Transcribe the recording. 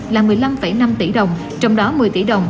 là một mươi năm năm tỷ đồng trong đó một mươi tỷ đồng